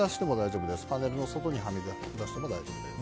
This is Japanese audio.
パネルの外にはみ出しても大丈夫です。